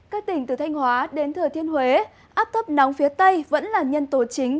các tỉnh từ thanh hóa đến thừa thiên huế áp thấp nóng phía tây vẫn là nhân tố chính